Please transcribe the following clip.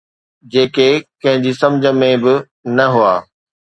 جيڪي ڪنهن جي سمجهه ۾ به نه هئا.